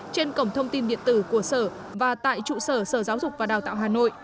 trên cổng thông tin điện tử của sở và tại trụ sở sở giáo dục và đào tạo hà nội